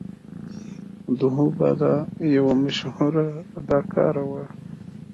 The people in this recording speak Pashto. مدهو بالا یوه مشهوره اداکاره وه.